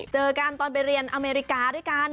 เจอกันตอนไปเรียนอเมริกาด้วยกัน